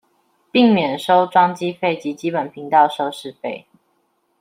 並免收裝機費及基本頻道收視費